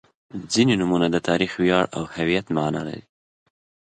• ځینې نومونه د تاریخ، ویاړ او هویت معنا لري.